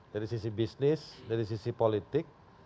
dari sisi bisnis dari sisi politik